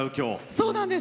そうなんです。